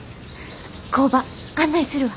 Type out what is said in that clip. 工場案内するわ。